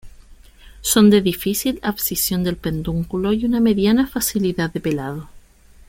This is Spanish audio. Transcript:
Son de difícil abscisión del pedúnculo y una mediana facilidad de pelado.